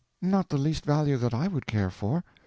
"Not the least value that I would care for.